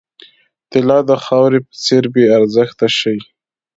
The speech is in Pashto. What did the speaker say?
طلا د خاورې په څېر بې ارزښته شي.